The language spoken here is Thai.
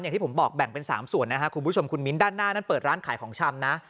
อย่างที่ผมบอกแบ่งเป็น๓ส่วนนะครับคุณผู้ชมคุณมิ้นด้านหน้านั้นเปิดร้านขายของชำนะ